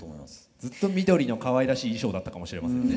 ずっと緑のかわいらしい衣装だったかもしれませんね。